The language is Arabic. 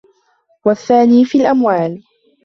وَالثَّانِي فِي الْأَمْوَالِ